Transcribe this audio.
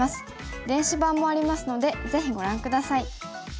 電子版もありますのでぜひご覧下さい。